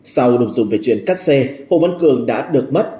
sau đồng dụng về chuyện cắt xe hồ văn cường đã được mất